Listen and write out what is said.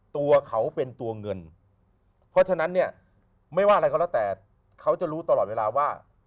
ตัวเขาเป็นตัวเงินเพราะฉะนั้นเนี่ยไม่ว่าอะไรก็แล้วแต่เขาจะรู้ตลอดเวลาว่า